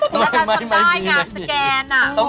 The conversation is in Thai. หรืออาจารย์ทำได้งานซะแกน